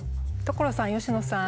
所さん佳乃さん。